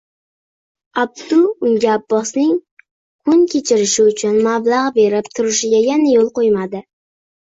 Abdu unga Abbosning kun kechirishi uchun mablag` berib turishiga yana yo`l qo`ymadi